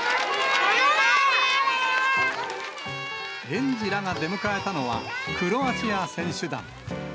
園児らが出迎えたのは、クロアチア選手団。